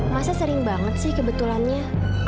masa sering banget sih kebetulannya